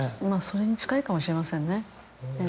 それに近いかもしれませんね。